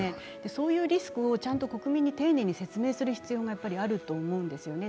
そういうリスクをちゃんと国民に丁寧に説明する必要があると思うんですよね。